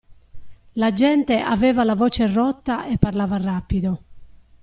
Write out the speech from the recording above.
L'agente aveva la voce rotta e parlava rapido.